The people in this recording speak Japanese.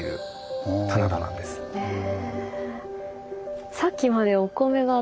へえ。